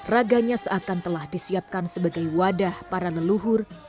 raganya seakan telah disiapkan sebagai wadah para leluhur